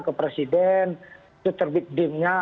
ke presiden itu terbit dimnya